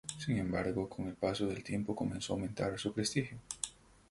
Sin embargo, con el paso del tiempo comenzó a aumentar su prestigio.